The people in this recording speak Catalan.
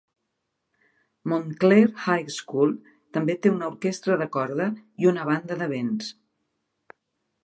Montclair High School també té una orquestra de corda i una banda de vents.